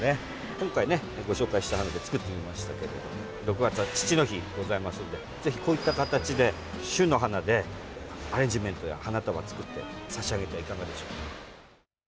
今回ね、ご紹介した花で作ってみましたけれど６月は父の日がございますのでぜひ、こういった形で旬の花でアレンジメントや花束を作って差し上げてはいかがでしょうか。